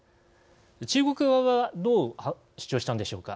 中国側はどう主張したのでしょうか。